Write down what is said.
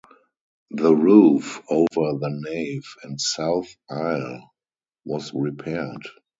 The roof over the nave and south aisle was repaired.